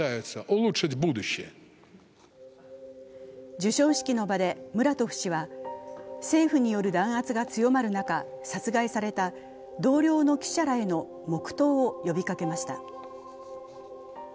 授賞式の場でムラトフ氏は政府による弾圧が強まる中、殺害された同僚の記者らへの黙とうを呼びかけました。